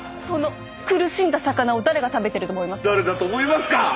その苦しんだ魚を誰が食べてると思いますか？